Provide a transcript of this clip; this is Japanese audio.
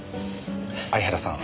相原さん